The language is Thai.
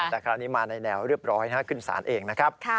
แต่คราวนี้มาในแนวเรียบร้อยขึ้นศาลเองนะครับ